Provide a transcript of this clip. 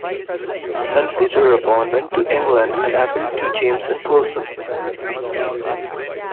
Huntly thereupon went to England and appealed to James in person.